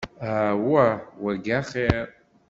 Awah, wayi axir.